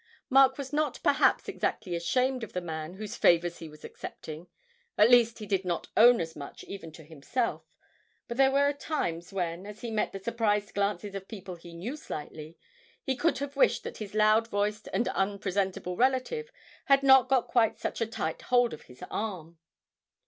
Mark was not perhaps exactly ashamed of the man whose favours he was accepting, at least he did not own as much even to himself, but there were times when, as he met the surprised glances of people he knew slightly, he could have wished that his loud voiced and unpresentable relative had not got quite such a tight hold of his arm.